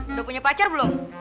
udah punya pacar belum